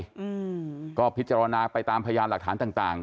ก็ก็พิจารณาไปตามพยายามหลักฐานต่าง